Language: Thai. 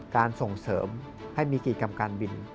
ส่งเสริมให้มีกิจกรรมการบิน